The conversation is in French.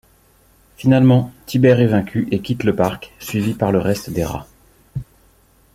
Finalement, Tibère est vaincu et quitte le parc, suivi par le reste des rats.